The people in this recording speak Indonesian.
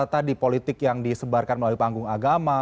tadi politik yang disebarkan melalui panggung agama